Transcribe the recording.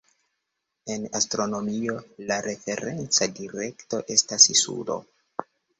En astronomio, la referenca direkto estas sudo.